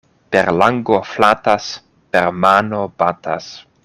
Per lango flatas, per mano batas.